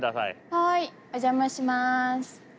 はいお邪魔します。